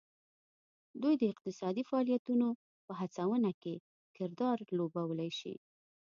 دوی د اقتصادي فعالیتونو په هڅونه کې کردار لوبولی شي